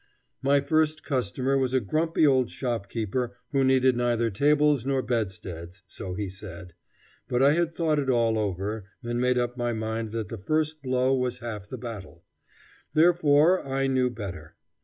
My first customer was a grumpy old shopkeeper who needed neither tables nor bedsteads, so he said. But I had thought it all over and made up my mind that the first blow was half the battle. Therefore I knew better.